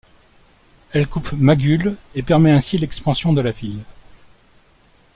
Elle coupe Maghull et permet ainsi l'expansion de la ville.